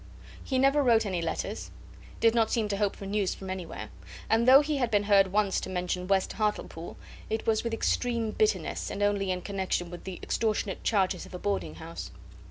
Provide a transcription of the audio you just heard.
He never wrote any letters, did not seem to hope for news from anywhere; and though he had been heard once to mention West Hartlepool, it was with extreme bitterness, and only in connection with the extortionate charges of a boarding house.